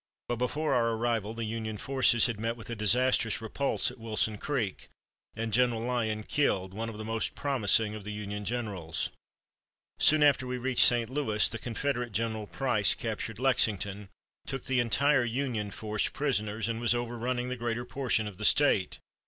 But before our arrival the Union forces had met with a disastrous repulse at Wilson Creek, and General Lyon killed, one of the most promising of the Union generals. Soon after we reached St. Louis, the Confederate General Price captured Lexington, took the entire Union force prisoners, and was overrunning the greater portion of the State.